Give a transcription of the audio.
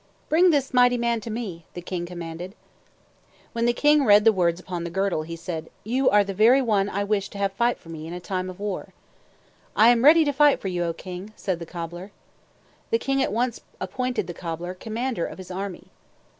"Bring this mighty man to me," the king commanded. When the king read the words upon the girdle, he said, "You are the very one I wish to have fight for me in time of war." "I am ready to fight for you, O King!" said the cobbler. The king at once appointed the cobbler commander of his army.